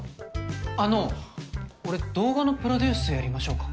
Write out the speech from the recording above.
あの俺動画のプロデュースやりましょうか？